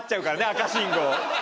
赤信号。